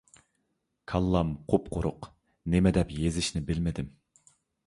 كاللام قۇپقۇرۇق! نېمىدەپ يېزىشنى بىلمىدىم.